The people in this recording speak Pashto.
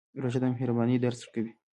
روژه د مهربانۍ درس ورکوي.